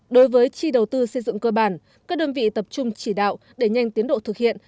đối với chi đầu tư xây dựng cơ bản các đơn vị tập trung chỉ đạo để nhanh tiến độ thực hiện